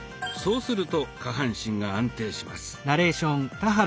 そうすると下半身が安定します。